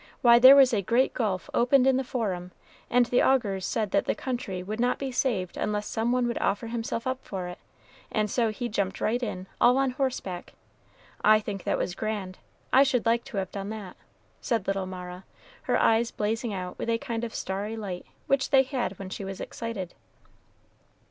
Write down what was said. why, there was a great gulf opened in the Forum, and the Augurs said that the country would not be saved unless some one would offer himself up for it, and so he jumped right in, all on horseback. I think that was grand. I should like to have done that," said little Mara, her eyes blazing out with a kind of starry light which they had when she was excited.